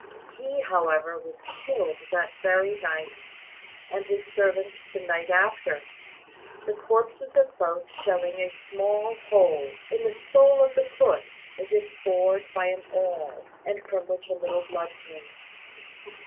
He, however, was killed that very night, and his servant the night after; the corpses of both shewing a small hole in the sole of the foot as if bored by an awl, and from which a little blood came.